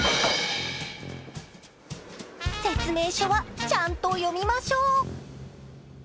説明書は、ちゃんと読みましょう。